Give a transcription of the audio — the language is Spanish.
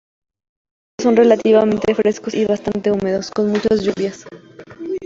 Los inviernos son relativamente frescos y bastante húmedos, con muchas lluvias.